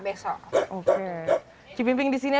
binah protegasi yang telantar